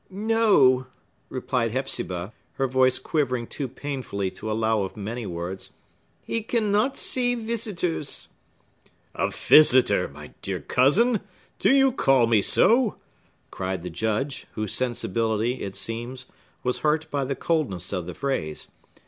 "No," replied Hepzibah, her voice quivering too painfully to allow of many words. "He cannot see visitors!" "A visitor, my dear cousin!—do you call me so?" cried the Judge, whose sensibility, it seems, was hurt by the coldness of the phrase.